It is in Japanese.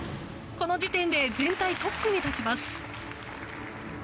この時点で全体トップに立ちます。